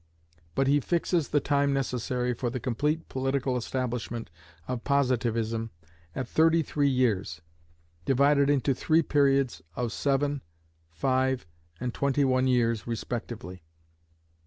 But he fixes the time necessary for the complete political establishment of Positivism at thirty three years, divided into three periods, of seven, five, and twenty one years respectively.